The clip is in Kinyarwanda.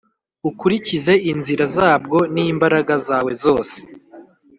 ukurikize inzira zabwo n’imbaraga zawe zose